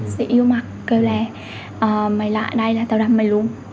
sĩ yêu mặt kêu là mày lại đây là tao đâm mày luôn